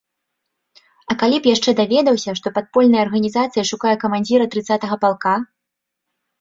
А калі б яшчэ даведаўся, што падпольная арганізацыя шукае камандзіра трыццатага палка?